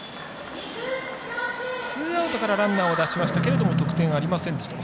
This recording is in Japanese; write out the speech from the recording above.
ツーアウトからランナーを出しましたけれども得点ありませんでした。